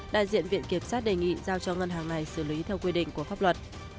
đại diện viện kiểm sát đề nghị giao cho ngân hàng này xử lý theo quy định của pháp luật